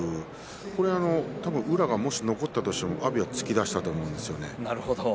これは多分、宇良が残ったとしても阿炎が突き出したと思うんですよね。